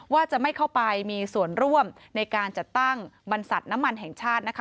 ว่าจะไม่เข้าไปมีส่วนร่วมในการจัดตั้งบรรษัทน้ำมันแห่งชาตินะคะ